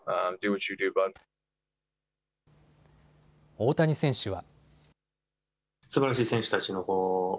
大谷選手は。